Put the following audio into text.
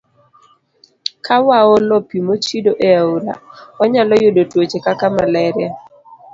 Ka waolo pi mochido e aore, wanyalo yudo tuoche kaka malaria.